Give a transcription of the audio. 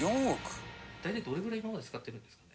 大体どれぐらい今まで使ってるんですかね？